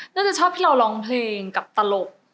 น่าจะชอบที่เราร้องเพลงกับตลก